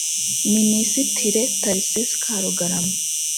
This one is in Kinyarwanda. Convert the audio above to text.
Minisitire Tharcisse Karugarama